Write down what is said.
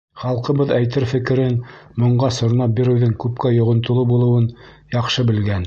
Халҡыбыҙ әйтер фекерен моңға сорнап биреүҙең күпкә йоғонтоло булыуын яҡшы белгән.